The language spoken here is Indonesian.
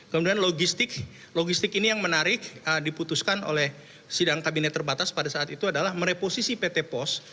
kemudian logistik ini yang menarik diputuskan oleh sidang kabinet terbatas pada saat itu adalah mereposisi pt pos